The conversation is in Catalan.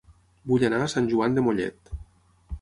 Vull anar a Sant Joan de Mollet